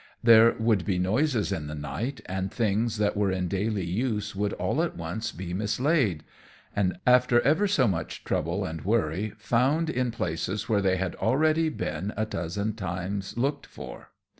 There would be noises in the night, and things that were in daily use would all at once be mislaid, and, after ever so much trouble and worry, found in places where they had already been a dozen times looked for.